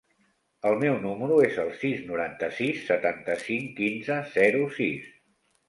El meu número es el sis, noranta-sis, setanta-cinc, quinze, zero, sis.